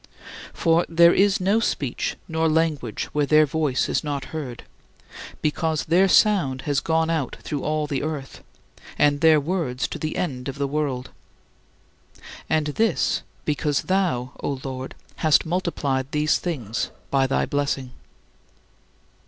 For "there is no speech nor language where their voice is not heard," because "their sound has gone out through all the earth, and their words to the end of the world" and this because thou, O Lord, hast multiplied these things by thy blessing.